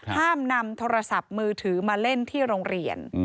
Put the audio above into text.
ห้ามนำโทรศัพท์มือถือมาเล่นที่โรงเรียน